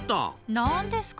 何ですか？